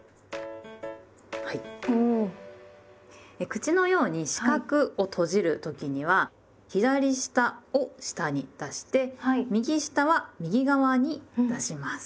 口のように四角を閉じる時には左下を下に出して右下は右側に出します。